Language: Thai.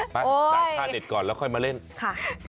ป๊าสั่งผ้าเด็ดก่อนแล้วค่อยมาเล่นค่ะ